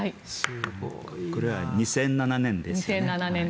これは２００７年ですね。